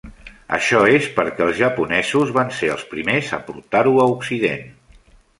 Això és perquè els japonesos van ser els primers a portar-ho a Occident.